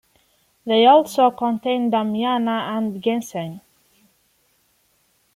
They also contain Damiana and Ginseng.